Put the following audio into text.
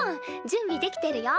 準備できてるよ。